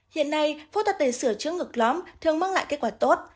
hiện nay phẫu thuật để sửa chứng ngực lõm thường mang lại kết quả tốt